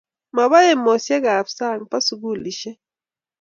ma boo emosiek ab sang boo sukulishek